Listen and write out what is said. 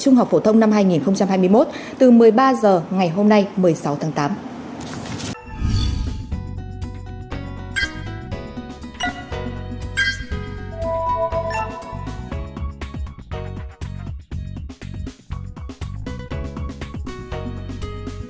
năm hai nghìn hai mươi một từ một mươi ba h ngày hôm nay một mươi sáu tháng tám